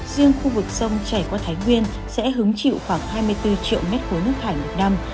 riêng khu vực sông chảy qua thái nguyên sẽ hứng chịu khoảng hai mươi bốn triệu mét khối nước thải một năm